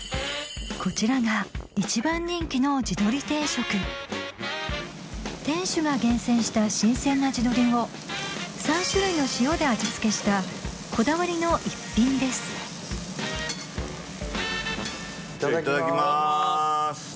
こちらが一番人気の地どり定食店主が厳選した新鮮な地鶏を３種類の塩で味付けしたこだわりの逸品ですいただきます。